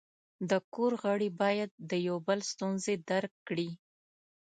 د کور غړي باید د یو بل ستونزې درک کړي.